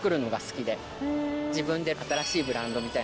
自分で。